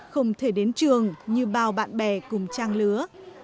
không thể đến trường như bao bạn bè cùng trang lứa